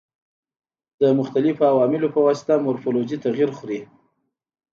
د مختلفو عواملو په واسطه مورفولوژي تغیر خوري.